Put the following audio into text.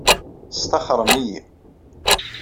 Staxren-iyi.